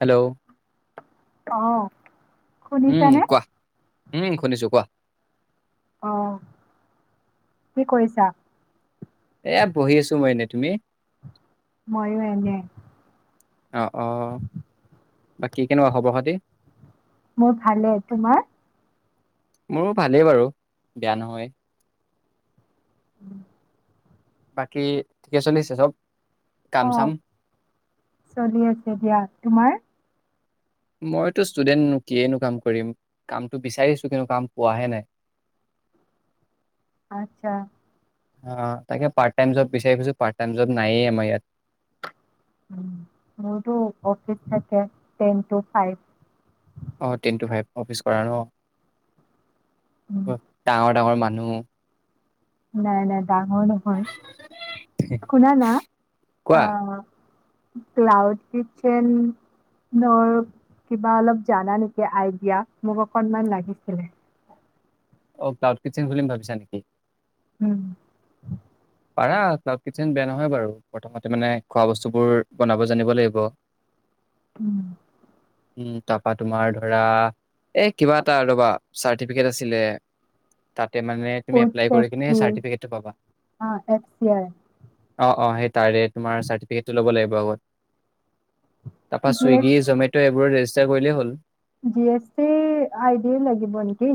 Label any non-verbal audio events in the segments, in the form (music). Hello. অহ উম, শুনিছানে? কোৱা উম, শুনিছো কোৱা । অহ কি কৰিছা । এহ বহি আছো মই এনেই তুমি । ময়ো এনে । অ'-অ'বাকি কেনেকুৱা খবৰ-খাতি । মোৰ ভালে, তোমাৰ । মোৰো ভালেই বাৰু বেয়া নহয় । (inaudible) বাকী ঠিকে চলিছে চব । অহ চলি আছে দিয়া তোমাৰ । মইতো ষ্টুডেণ্ট নো কিয়েইনো কাম কৰিম। কামটো বিচাৰিছো কিন্তু কাম পোৱাহে নাই । আচ্ছা । অ' তাকে পাৰ্ট টাইম জব বিচাৰি ফুৰিছো । পাৰ্ট টাইম জব নায়েই আমাৰ ইয়াত । মোৰতো অফিচ থাকে টেন টু ফাইভ । অ' টেন টু ফাইভ অফিচ কৰা ন । ডাঙৰ, ডাঙৰ মা- নহও। নাই-নাই । ডাঙৰ নহয় শুনা না কোৱা আহ - ক্লাউড কিটচেন ৰ' কিবা অলপ জানা নেকি আইডিয়া মোক অকণমান লাগিছিলে । অ' ক্লাউড কিটচেন খুলিম ভাবিছা নেকি? উম । পাৰা ক্লাউড কিটচেন বেয়া নহয় বাৰু প্ৰথমতে মানে খোৱা বস্তুবোৰ বনাব জানিব লাগিব । উম । উম তাৰপা তোমাৰ ধৰা এ কিবা এটা ৰ'বা চাৰ্টিফিকেট আছিলে তাত- মানে তুমি এপ্লাই কৰি কিনে চাৰ্টিফিকেটটো পাবা । অ' এফ-চি-আই । অ'-অ' সেই তাৰে তোমাৰ চাৰ্টিফিকেটটো ল'ব লাগিব আগত । তাৰপা জি এছ চুইগি জমেট' এই- পুৰা ৰেজিষ্টাৰ কৰিলেই হ'ল । লাগিব নেকি,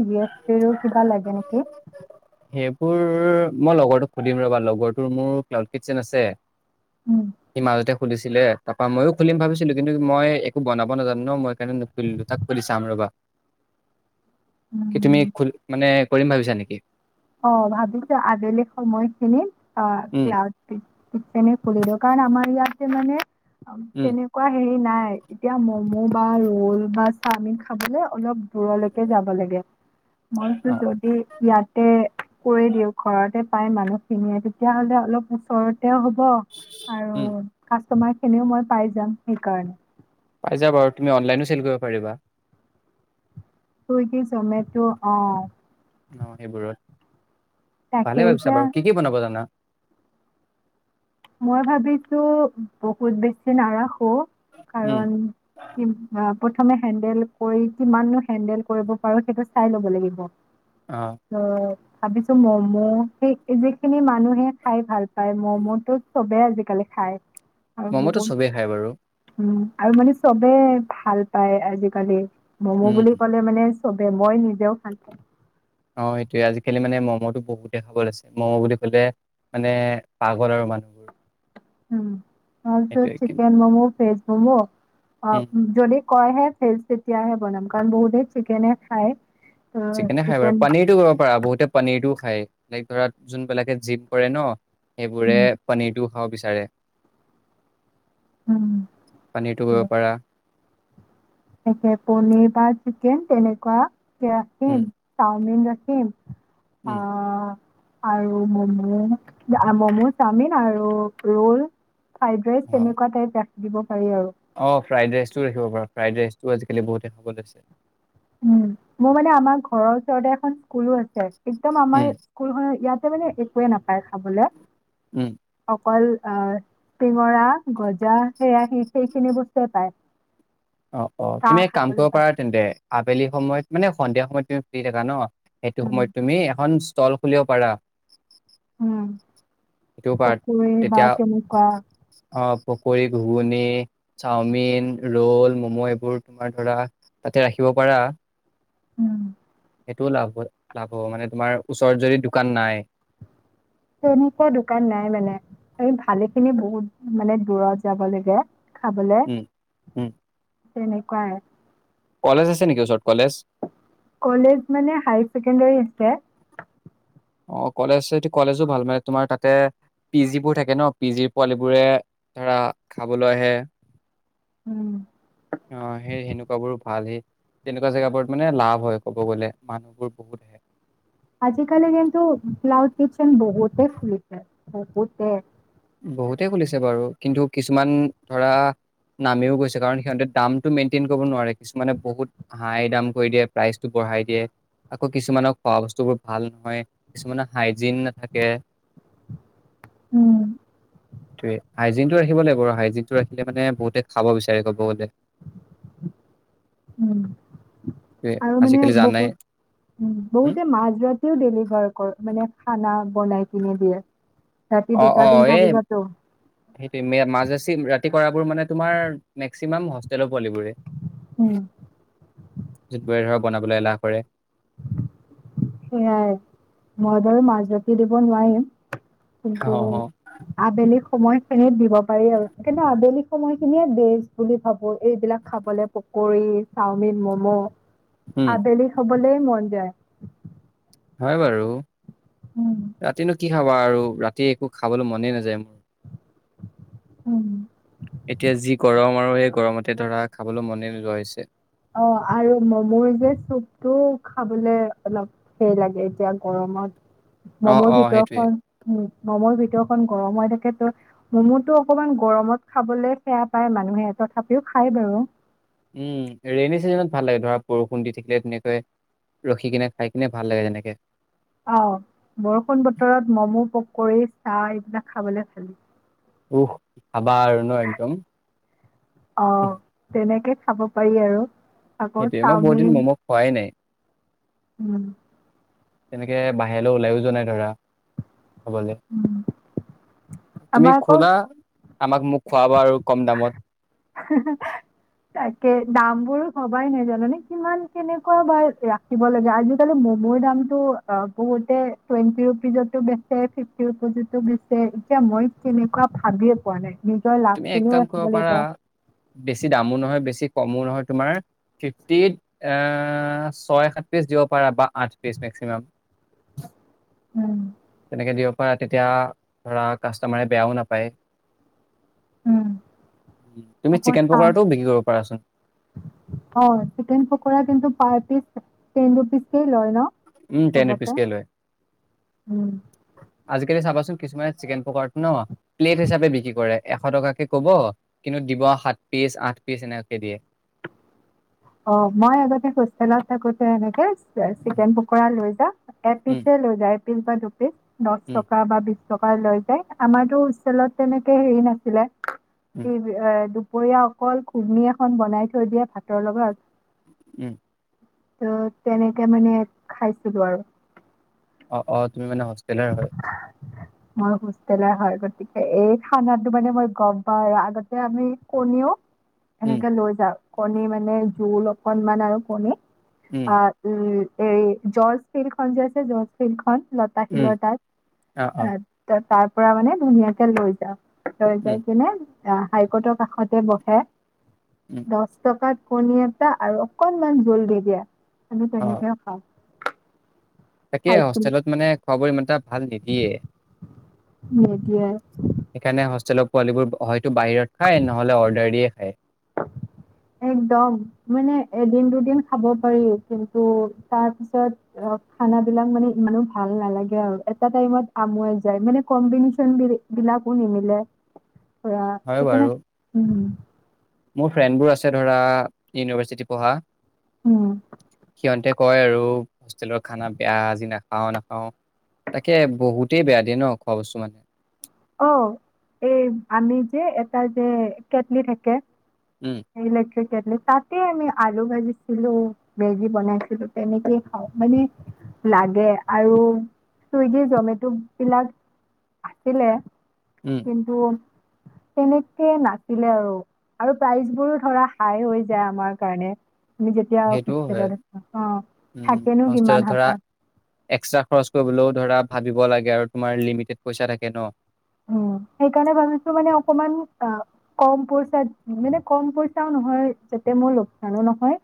কিবা লাগে নেকি? তোৰ মই লগৰ সুধিম ৰ'বা লগৰটোৰ মোৰ ক্লাউড কিটচেন আছে উম । ই মাজতে । খুলিছিলে তাৰপা ময়ো খুলিম ভাবিছিলো কিন্তু মই একো বনাব নাজানো ন মই সেইকাৰণে নুখুলিলো তাক সুধি চাম ৰবা। কি তুমি উম, খুলি মানে কৰিম ভাবিছা নেকি? অ ভাবিছো আবেলি সময়খিনিত অ উম, ক্লাছ কিটচেনে খুলিলো কাৰণে আমাৰ ইয়াত যে মানে উম, তেনেকোৱা হেৰি নাই এতিয়া ম'ম' বা ৰ'ল বা চাওমিন খাবলে অলপ দূৰলৈকে যাব লাগে। মইতো অ', যদি ইয়াত এ কৰি দিওঁ, ঘৰতে পাই মানুহ খিনিয়ে তেতিয়া হ'লে অলপ ওচৰত দে হ'ব উম, আৰু তোমাৰ খিনিও মই পাই যাম, সেইকাৰণে পাই যাবা বাৰু, তুমি অনলাইনো চেল কৰিব পাৰিবা। ছুইগি, জমেটো অ অ সেইবোৰত তাকে ভালে ভাবিছা এতিয়া বাৰু কি, কি বনাব জানা? মই ভাবিছো, বহুত বেছি নাৰাখো নাৰাখোঁ উম, কাৰণ কি প্ৰথমে হেণ্ডেল কৰি, কিমাননো হেণ্ডেল কৰিব পাৰো সেইটো চাই ল'ব লাগিব। অ' উম (unintelligible) ভাবিছো ম'ম সেই যিখিনি মা মানুহে খাই ভাল পায় ম'ম' টো চবে আজিকালি খায়। ম'ম তো বহুত চবেই খাই বাৰু। উম আৰু মানে চবে ভাল পায়, আজিকালি ম'ম উম, বুলি ক'লে মানে চবে মই নিজেও খালে অ সেইটোয়ে আজিকালি মানে ম'ম'টো বহুত টেন্ডিঙত আছে, ম'ম বুলি ক'লে মানে পাগল আৰু মানুহবোৰ। উম তাৰপিছত সেইটোৱে কিন্তু চিকেন ম'ম, ভেজ ম'ম অ উম, যদি কয় হে ভেজ তেতিয়াহে বনাম, কাৰণ বহুতে চিকেনে খায়। ত' চিকেনে খাই, চিকেন বাৰু পনীৰ টো কৰিব পাৰা বহুতে পনীৰটো খাই, লাইক ধৰা যোনবিলাকে জিম কৰে ন সেইবোৰে উম, পনীৰটো খাব বিচাৰে। উম। পনীৰটো কৰিব পাৰা। তাকে, পনীৰ বা চিকেন তেনেকুৱা ৰাখিম, উম, চাওমিন ৰাখিম হম (unintelligible) উম, অ আৰু মম', অ মম', চাওমিন আৰু ৰোল ফ্ৰাইড ৰাইচ অ', তেনেকুৱা টাইপ ৰাখিম দিব পাৰি আৰু। অ, ফ্ৰাইডৰাইচ টোও ৰাখিব পাৰ। ফ্ৰাইড ৰাইচটো আজিকালি বহুতে খাবলৈছে। উম মোৰ মানে আমাৰ ঘৰৰ ওচৰতে এখন স্কুলো আছে। একদম আমাৰ উম, স্কুলখননৰ ইয়াত মানে একোৱে নাপায় খাবলে। উম। অকল আহ চিঙৰা গজা সেৰাহী সেইখিনি বস্তুৱে পায়। অ চাহ তুমি এক কাম খাবলৈ কৰিব পায়। পাৰা তেন্তে আবেলি সময়ত মানে সন্ধিয়া সময়ত তুমি ফ্ৰ্ৰী থাকা ন? সেইটো উম, সময়ত তুমি এখন ল খুলিব পাৰা। উম। সেইটোও পাৰা পকৰি বা তেতিয়া কে তেনেকুৱা অ পকৰী, ঘুগুনি, চাওমিন, ৰোল, মম', এইবোৰ তোমাৰ ধৰা তাতে ৰাখিব পাৰা। উম। সেইটোও লাভ হ, লাভ হ'ব মানে তোমাৰ ওচৰত যদি দোকান নাই। তেনেকুৱা দোকান নাই মানে, এইম ভালেখিনি বহুত মানে দূৰত যাব লাগে। খাবলে উম, উম তেনেকুৱাই কলেজ আছে নেকি ওচৰত? কলেজ কলেজ মানে হায়াৰ ছেকেণ্ডৰী আছে। অ কলেজ আছে যদি কলেজো ভাল, মানে তোমাৰ তাতে পি জিবোৰ থাকে ন? পি জি পোৱালীিবোৰে ধৰা খাবলৈ আহে। উম। আহ সেই সেনেকুৱাবোৰ ভাল, সেই তেনেকুৱা জেগাবোৰত মানে লাভ হয় ক'ব গলে মানুহবোৰ বহুত আহে। আজিকালি কিন্তু ক্লাউড কিচেন বহুতে খুলিছে, বহুতে। বহুতে খুলিছে বাৰু কিন্তু কিছুমান ধৰা নামিও গৈছে কাৰণ সিহঁতে দামটো মেইনটেইন কৰিব নোৱাৰে, কিছুমানে বহুত হাই দাম কৰি দিয়ে, প্ৰাইচটো বঢ়াই দিয়ে আকৌ কিছুমানক খোৱা বস্তুবোৰ ভাল নহয়, কিছুমানৰ হাইজিন নাথাকে। উম। হাইজিন টো ৰাখিব লাগিব, হাইজিন টো ৰাখিলে মানে বহুতে খাব বিচাৰে কব বহলে। উম। সেইটোৱে আৰু মানে আজিকালি জানাই হুম বহুত-বহুতে মাাজ ৰাতিও ডেলিভাৰ কৰ মানে খানা বনাই কিনি দিয়ে। ৰাতি অ অ দুটা-তিনটা এই বজাতো সেইটো মাজে ৰাতি কৰাবোৰ তোমাৰ মেক্সিমাম তেলৰ পোৱালিবোৰে উম, ধৰক বনাবলৈ এলাহ কৰে। সেয়াই মই দল মাজ ৰাতি দিব নোৱাৰিম। অ, কিন্তু আবেলি সময় খিনিত দিব পাৰি আৰু কিন্তু আবেলি সময় খিনিয়ে বেজ বুলি ভাবো এইবিলাক খাবলে পকৰী চাওমিন ম'ম' উম, আবেলি হবলৈ মন যায় । হয় বাৰু উম, ৰাতিনো কি খাব? কোৱা আৰু ৰাতি একো খাবলৈ মনে নাযায় মোৰ উম। । এতিয়া যি গৰম আমাৰ সেই গৰমতে ধৰা খাবলৈ মনে নোযোৱা হৈছে । অ আৰু মমোৰ যে চুপটো খাবলে অলপ হেৰি লাগে এতিয়া গৰমত । অ', ম'মৰ অ', সেইটোৱে ভিতৰখন ম'ম' ভিতৰত খন গৰম হৈ থাকে ত ম'ম'তটো অকমান গৰমত খাবলে সেয়া পায় মানুহে তথাপিও খায় বাৰু উম ৰেইনী চিজনত ভাল লাগে ধৰা বৰষুণ দি থাকিলে ধুনীয়াকৈ ৰখি কিনে খাই কিনে ভাল লাগে এনেকে । আহ বৰষুণ বতৰত মম', পকৰি, চাহ এইবিলাক খাবলে ভালে উহঃ খাবা আৰু ন একদম অঁ তেনেকৈ খাব পাৰি আৰু আকৌ সেইটোয়ে মই বহুত চাওমিন দিন ম'ম' খোৱাই নাই উম তেনেকে বাহিৰলৈ ওলাইও যোৱা নাই ধৰা । হ'ব দে। উম। আমাৰ তুমি আকৌ খুনা আমাক মোক খোৱাব আৰু কম দামত তাকে দাম বোৰ ভবাই নাই, জানানে? কিমান কেনেকুৱা বাৰ ৰাখিব লাগে আজিকালি মমোৰ দামতটো বহুতে টুৱেণ্টি ৰুপিজতো বেচ ফিফটি ৰুপিজতো বেচ এতিয়া মই কেনেকুৱা ভাবিয়ে পোৱা নাই । নিজৰ তুমি এক লাভখিনিও কাম কৰিব ৰাখিব লাগিব পাৰা বেছি দামো নহয় বেছি কমো নহয় তোমাৰ ফিফটিত এ ছয় সাতপিছ দিব পাৰা বা আঠ পিচ মেক্সিমাম । উম তেনেকৈ দিয়ক পৰা, তেতিয়া ধৰা কাষ্টমৰে বেয়াও নাপায় উ উম, তুমি অকল চিকেন চাহ, পকৰাটো বিক্ৰী কৰিব পাৰাচোন অ চিকেন পকৰা কিন্তু পাৰটি টেন ৰুপিচ কে লয় ন? উম টেন ৰুপিচ চবতে কে লয় উম । আজিকালি চাবাচোন কিছুমানে চিকেন পকৰাটো ন প্লে। ট হিচাপে বিক্ৰী কৰে, এশ টকাকে কব কিন্তু দিব সাত পিচ আঠ পিচ এনেকে দিয়ে অ মই আগতে হোষ্টেলত থাকোতে এনেকে উম চিকেন পকৰা লৈ যা এ পিচ লৈ যা (unintelligible) দশ উম টকা বা বিশ । টকা লৈ যায় আমাৰতো হোষ্টেলত তেনেকে হেৰি নাছিলে । উম স দু (inaudible) দুপৰীয়া অকল ঘুগনি এখন বনাই থৈ দিয়ে ভাতৰ লগত উম ত' তেনেকে মানে খাইছিলো আৰু অ অ তুমি মানে হোষ্টেলৰ হয় । মই হোষ্টেলৰ হয় গতিকে এই খানাটো মানে মই গম পাওঁ আৰু আগতে আমি কণীও উম এনেকে লৈ যাও কণী মানে জোল অকনমান আৰু কণী উম অ উম এই জৰ্জ ফিল্ড খন যে আছে জৰ্জ ফিল্ড খন উম ৰাখিলে তাত অ অ এ তাৰ পৰা মানে ধুনীয়াকে লৈ যাওঁ। হৈ উম যায় কিনে অ হাইকৰ্টৰ কাষ তে বহে উম দহ টকাত কণী এটা আৰু অকনমান জোল দি দিয়া। আ অ তেনেকাপা (inaudible) তাকে হোষ্টেলত মানে খোৱাবোৰ ইমান টাত ভাল নিদিয়ে। এতিয়া সেইকাৰণে হোষ্টেলৰ পোৱালিবোৰ হয়তো বাহিৰত খায় নহলে অৰ্ডাৰ দিয়ে খায়। একদম মানে এদিন দুদিন খাব পাৰি কিন্তু তাৰ পিছত খানাবিলাক মানে ইমানো ভাল নালাগে আৰু এটা টাইমত আমনি লাগি যায় মানে কম্বিনেশ্যন বি বিলাকো নিমিলে। ৰা হয় সেইকাৰনে বাৰু উম। মোৰ ফ্ৰেণ্ডবোৰ আছে ধৰা ইউনিভাৰ্চিটি পঢ়া। উম। সিহতে কয় আৰু হোষ্টেলৰ খানা বেয়া আজিনাাখাও নাখাও তাকে বহুতেই বেয়া দিয়ে ন খোৱা বস্তু মানে। অ এই আমি যে এটা যে কেটলি থাকে। উম আহিলে তাতে আমি আলু ভাজিছিলো বেজি বনাইছিলো তেনেকেই খাওঁ মানে লাগে আৰু চুইগি জমেট' বিলাক আছিলে। উম কিন্তু? তেনেকে নাছিলে আৰু আৰু প্ৰাইচ বোৰো ধৰা হাই হৈ যায় আমাৰ কাৰণে। তুমি যেতিয়া সেইটোও হয়। সোচতেলত আছা অ উম থাকেনো হোষ্টেলত কিমান ধৰা হাতত। এক্সট্ৰা খৰচ কৰিবলৈও ধৰা ভাবিব লাগে আৰু তোমাৰ লিমিটেড পইচা থাকে ন। উ সেইকাৰণে ভাবিছো মানে অকমান অ কম পইচা মানে কম পইচাও নহয় যাতে মোৰ লোকচানো নহয়।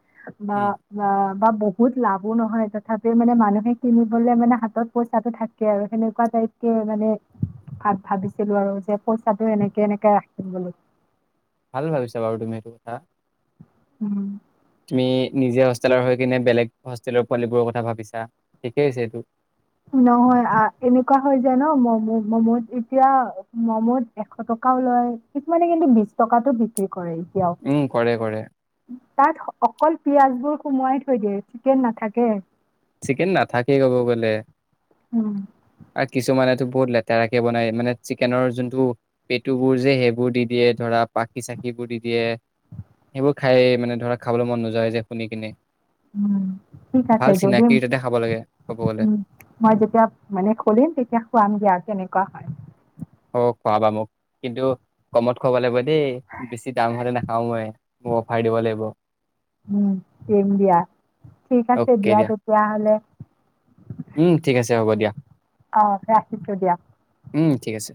বা উম বা বা বহুত লাভো নহয় তথাপি মানে মানুহে কিনিবলে মানে হাতত পইচাটো থাকে আৰু সেনেকুৱা টাইপকে মানে ভাবিছিলো আৰু যে পইচাটো এনেকে এনেকে ৰাখিম বুলি? ভাল ভাবিছা বাৰু তুমি এইটো কথা। উম। তুমি নিজে হোষ্টেলৰ হৈ কিনে বেলেগ হোষ্টেলৰ পোৱালী বোৰৰ কথা ভাবিছা ঠিকেই হৈছে এইটো। নহয় এনেকুৱা হয় যে ন ম'মো ম'ম'ত এতিয়া ম'ম'ত এশ টকাও লয় কিছুমানে কিন্তু বিশ টকাতো বিক্ৰী কৰে। উম, কৰে কৰে। তাত অকল। পিয়াজ বোৰ সোমোৱাই থৈ দিয়ে চিকেন নাথাকে? চিকেন নাথাকেই ক'ব গ'লে। উম। আৰু কিছুমানে? বহুত লেতেৰাৰাক কে বনাই মানে চিকেনৰ যোনটো পেটু বোৰ যে সেইবোৰ দি দিয়ে ধৰা পাখি চাকি বোৰ দি দিয়ে সেইবোৰ খাই মানে ধৰা খাবলৈ মন নোযোৱা যে শুনি কিনে। উম ঠিক আছে ভাল যদি। চিনাকি তাতে খাব লাগে ক'ব গ'লে। উম মই যেতিয়া মানে খুলিম তেতিয়া খুৱাম দিয়া কেনে? এনেকুৱা হয়? অ খোৱাবা মোক কিন্তু কমত খোৱাব লাগিব? দেই বেছি দাম হ'লে নাখাওঁ মই মোক অফাৰ দিব লাগিব উম, দিম দিয়া। ঠিক আছে অ'কে দিয়া তেতিয়াহ'লে। ঠিক আছে হ'ব দিয়া? অ ৰাখিছো দিয়া? উম ঠিক আছে?